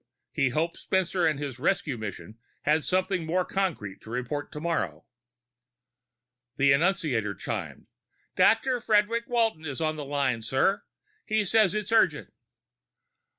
He hoped Spencer and his rescue mission had something more concrete to report tomorrow. The annunciator chimed. "Dr. Frederic Walton is on the line, sir. He says it's urgent."